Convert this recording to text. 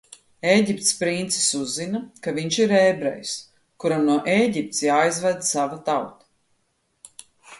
Ēģiptes princis uzzina, ka viņš ir ebrejs, kuram no Ēģiptes jāizved sava tauta.